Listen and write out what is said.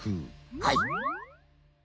はい。